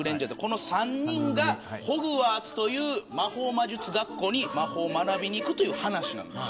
この３人がホグワーツという魔法魔術学校に魔法を学びに行く話なんです。